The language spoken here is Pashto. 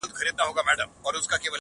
ستا شاعري گرانه ستا اوښکو وړې.